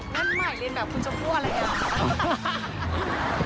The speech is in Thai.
แว่นใหม่เล็นแบบคุณจะพูดอะไรอย่างนั้น